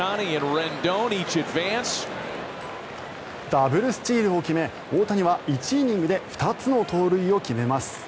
ダブルスチールを決め大谷は１イニングで２つの盗塁を決めます。